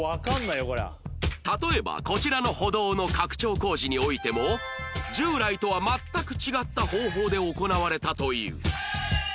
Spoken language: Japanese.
例えばこちらの歩道の拡張工事においても従来とは全く違った方法で行われたという